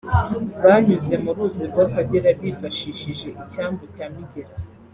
banyuze mu ruzi rw’Akagera bifashishije icyambu cya Migera